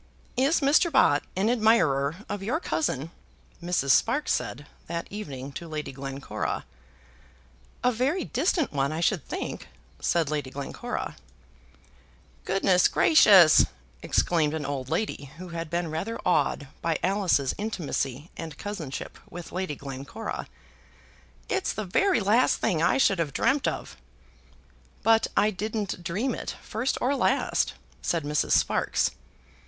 "Is Mr. Bott an admirer of your cousin?" Mrs. Sparkes said that evening to Lady Glencora. "A very distant one I should think," said Lady Glencora. "Goodness gracious!" exclaimed an old lady who had been rather awed by Alice's intimacy and cousinship with Lady Glencora; "it's the very last thing I should have dreamt of." "But I didn't dream it, first or last," said Mrs. Sparkes.